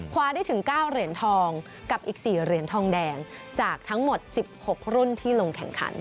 ได้ถึง๙เหรียญทองกับอีก๔เหรียญทองแดงจากทั้งหมด๑๖รุ่นที่ลงแข่งขัน